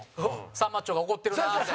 さんまっちょが怒ってるなって。